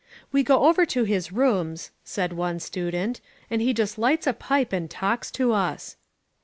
"We go over to his rooms," said one student, "and he just lights a pipe and talks to us."